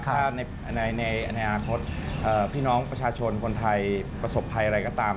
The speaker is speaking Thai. ถ้าในอนาคตพี่น้องประชาชนคนไทยประสบภัยอะไรก็ตาม